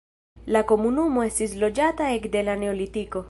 La komunumo estis loĝata ekde la neolitiko.